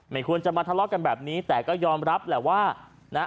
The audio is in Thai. ไม่ควรจะมาทะเลาะกันแบบนี้แต่ก็ยอมรับแหละว่านะ